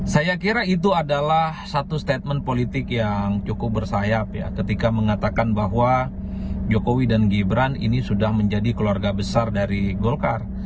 saya kira itu adalah satu statement politik yang cukup bersayap ya ketika mengatakan bahwa jokowi dan gibran ini sudah menjadi keluarga besar dari golkar